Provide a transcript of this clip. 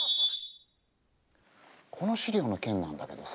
この資料の件なんだけどさ。